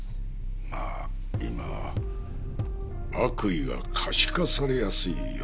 まあ今は悪意が可視化されやすい世の中だ。